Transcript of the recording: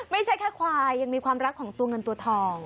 ไม่ใช่แค่ควายยังมีความรักของตัวเงินตัวทอง